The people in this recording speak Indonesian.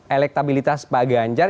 elektabilitas pak ganjar